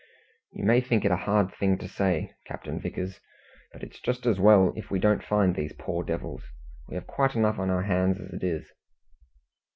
"You may think it a hard thing to say, Captain Vickers, but it's just as well if we don't find these poor devils. We have quite enough on our hands as it is."